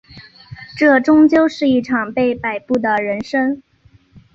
这终究是一场被摆布的人生